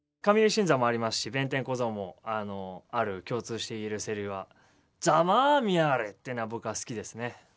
新三」もありますし「弁天小僧」もある共通して言えるセリフは「ざまぁみやがれ」っていうのは僕は好きですね。